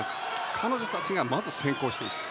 彼女たちがまず先行していく。